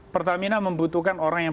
pertamina membutuhkan orang yang